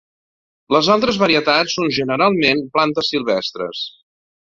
Les altres varietats són generalment plantes silvestres.